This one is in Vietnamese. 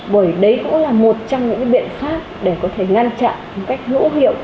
bởi đấy cũng là một trong những biện pháp để có thể ngăn chặn một cách hữu hiệu